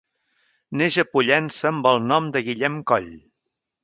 Neix a Pollença amb el nom de Guillem Coll.